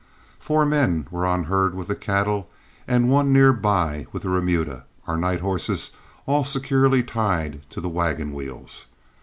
Four men were on herd with the cattle and one near by with the remuda, our night horses all securely tied to the wagon wheels.